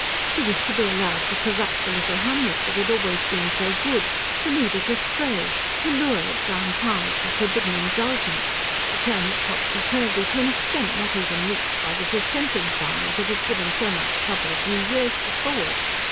She was to be allowed to corrupt the little hamlet that had always been so good, to lead it astray, to lure it down paths of forbidden indulgence, to turn it topsy turvy to an extent not even reached by the Dissenting family that had given so much trouble a few years before.